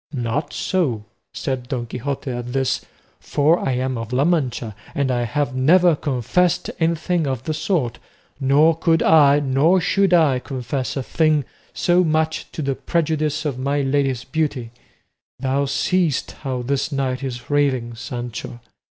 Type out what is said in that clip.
"Not so," said Don Quixote at this, "for I am of La Mancha, and I have never confessed anything of the sort, nor could I nor should I confess a thing so much to the prejudice of my lady's beauty; thou seest how this knight is raving, Sancho.